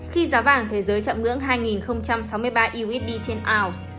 khi giá vàng thế giới chạm ngưỡng hai sáu mươi ba usd trên ảo